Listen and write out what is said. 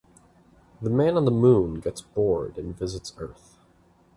The man on the moon gets bored and visits Earth.